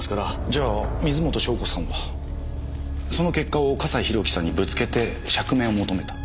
じゃあ水元湘子さんはその結果を笠井宏樹さんにぶつけて釈明を求めた。